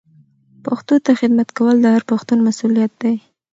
پښتو ته خدمت کول د هر پښتون مسولیت دی.